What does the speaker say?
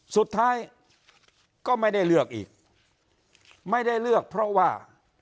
สุดท้ายก็ไม่ได้เลือกอีกไม่ได้เลือกเพราะว่า